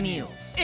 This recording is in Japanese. え？